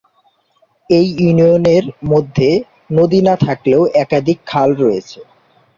এই ইউনিয়নের মধ্যে নদী না থাকলেও একাধিক খাল রয়েছে।